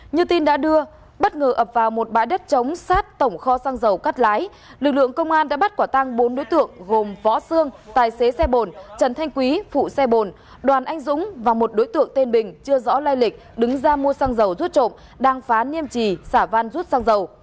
như tin đã đưa bất ngờ ập vào một bãi đất trống sát tổng kho xăng dầu cắt lái lực lượng công an đã bắt quả tăng bốn đối tượng gồm võ sương tài xế xe bồn trần thanh quý phụ xe bồn đoàn anh dũng và một đối tượng tên bình chưa rõ lai lịch đứng ra mua xăng dầu rút trộm đang phá niêm trì xả van rút sang dầu